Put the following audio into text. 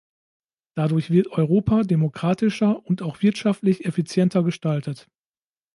Dadurch wird Europa demokratischer und auch wirtschaftlich effizienter gestaltet.